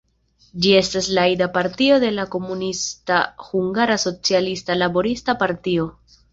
Ĝi estas la ida partio de la komunista Hungara Socialista Laborista Partio.